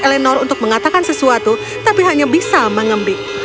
dia menanggung eleanor untuk mengatakan sesuatu tapi hanya bisa mengembik